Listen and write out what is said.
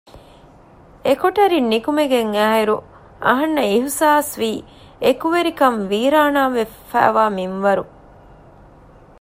އެކޮޓަރިން ނިކުމެގެން އާއިރު އަހަންނަށް އިޙްޞާސްވީ އެކުވެރިކަން ވީރާނާވެފައިވާ މިންވަރު